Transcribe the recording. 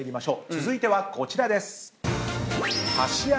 続いてはこちらです。